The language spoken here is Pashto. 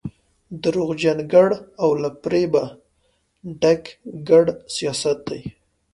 درواغجن ګړ او له فرېبه ډک کړ سیاست دی.